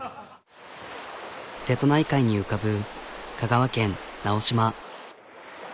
瀬戸内海に浮かぶ香川県直島。